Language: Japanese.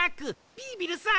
ビービルさん！